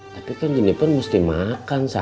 tapi kan jinipen mesti makan sayang